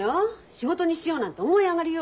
仕事にしようなんて思い上がりよ。